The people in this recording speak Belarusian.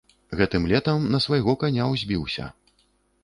Гэтым летам на свайго каня ўзбіўся.